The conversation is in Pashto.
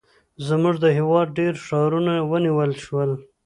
زموږ د هېواد ډېر ښارونه ونیول شول.